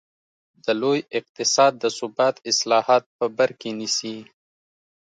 د لوی اقتصاد د ثبات اصلاحات په بر کې نیسي.